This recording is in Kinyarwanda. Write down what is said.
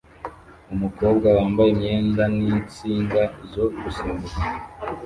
Umukobwa wambaye imyenda ninsinga zo gusimbuka